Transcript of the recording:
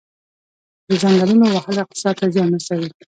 د ځنګلونو وهل اقتصاد ته زیان رسوي؟